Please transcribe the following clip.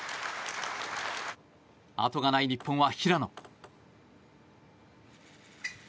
後がない日本は平野。